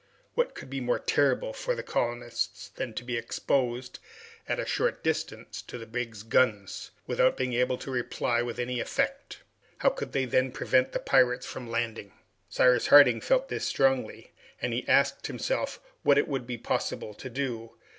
What could be more terrible for the colonists than to be exposed, at a short distance, to the brig's guns, without being able to reply with any effect? How could they then prevent the pirates from landing? Cyrus Harding felt this strongly, and he asked himself what it would be possible to do.